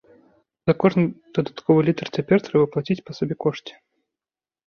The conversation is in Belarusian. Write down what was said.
За кожны дадатковы літр цяпер трэба плаціць па сабекошце.